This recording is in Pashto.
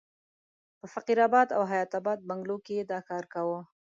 په فقیر اباد او حیات اباد بنګلو کې یې دا کار کاوه.